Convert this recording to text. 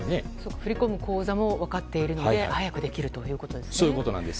振り込む口座も分かってるので早くできるということですね。